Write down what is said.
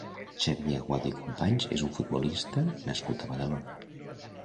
Xavier Aguado i Companys és un futbolista nascut a Badalona.